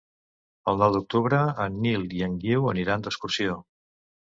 El nou d'octubre en Nil i en Guiu aniran d'excursió.